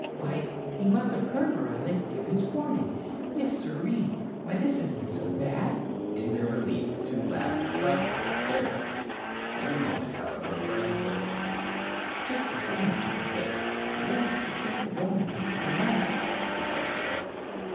Why, he must have heard Morales give his warning! Yes, sirree. Why this isn't so bad!" In their relief, the two laughed a trifle hysterically. In a moment, however, Frank sobered again. "Just the same," he said, "the ranch would get the warning, unless " "Unless what?"